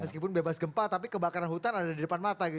meskipun bebas gempa tapi kebakaran hutan ada di depan mata gitu